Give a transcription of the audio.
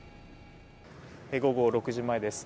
午後６時前です。